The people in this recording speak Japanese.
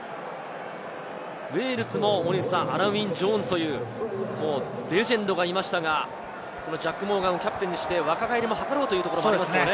ウェールズもアラン・ウィン・ジョーンズというレジェンドがいましたが、ジャック・モーガンをキャプテンにして若返りを図ろうというところですよね。